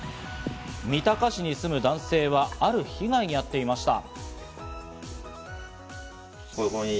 三鷹市に住む男性はある被害に遭っていました。